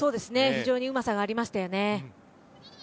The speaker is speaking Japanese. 非常にうまさがありましたよね。